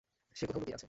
সে কোথাও লুকিয়ে আছে।